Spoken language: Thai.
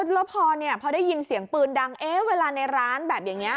แล้วพอเนี่ยพอได้ยินเสียงปืนดังเอ๊ะเวลาในร้านแบบอย่างนี้